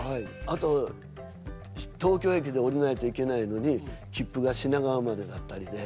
あと東京駅でおりないといけないのにきっぷが品川までだったりで。